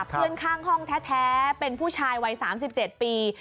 เพื่อนข้างห้องแท้เป็นผู้ชายวัย๓๗ปี